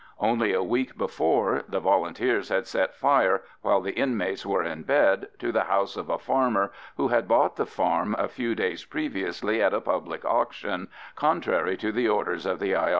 Only a week before the Volunteers had set fire, while the inmates were in bed, to the house of a farmer, who had bought the farm a few days previously at a public auction, contrary to the orders of the I.